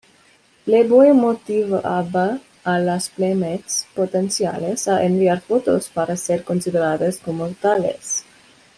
Playboy motivaba a las Playmates potenciales a enviar fotos para ser consideradas como tales.